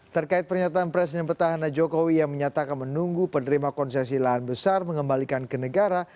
terkait pernyataan presiden petahana jokowi yang menyatakan menunggu penerima konsesi lahan besar mengembalikan ke negara